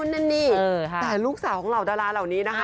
แต่ลูกสาวของเราดาราเหมือนเลยนะคะ